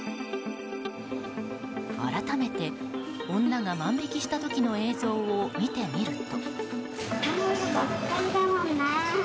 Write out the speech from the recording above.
改めて、女が万引きした時の映像を見てみると。